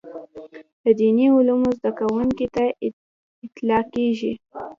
د دیني علومو زده کوونکي ته اطلاقېږي.